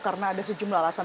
karena ada sejumlah alasan